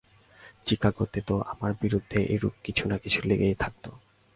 চিকাগোতে তো আমার বিরুদ্ধে এরূপ কিছু না কিছু লেগে থাকত।